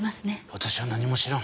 私は何も知らん。